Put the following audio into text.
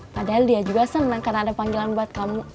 padahal dia juga senang karena ada panggilan buat kamu